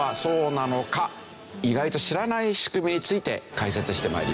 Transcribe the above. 意外と知らない仕組みについて解説して参ります。